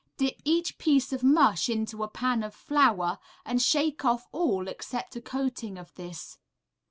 Dip each piece of mush into a pan of flour, and shake off all except a coating of this.